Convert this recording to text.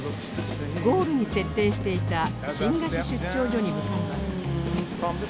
ゴールに設定していた新河岸出張所に向かいます